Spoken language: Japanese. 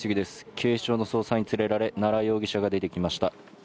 警視庁の捜査員に連れられ奈良容疑者が出てきました。